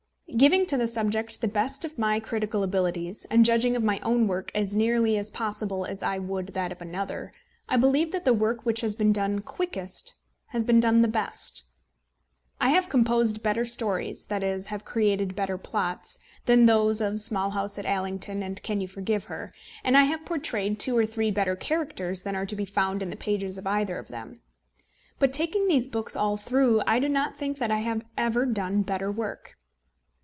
Giving to the subject the best of my critical abilities, and judging of my own work as nearly as possible as I would that of another, I believe that the work which has been done quickest has been done the best. I have composed better stories that is, have created better plots than those of The Small House at Allington and Can You Forgive Her? and I have portrayed two or three better characters than are to be found in the pages of either of them; but taking these books all through, I do not think that I have ever done better work.